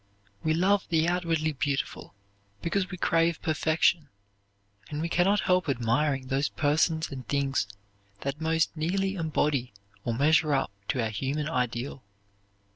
We love the outwardly beautiful, because we crave perfection, and we can not help admiring those persons and things that most nearly embody or measure up to our human ideal.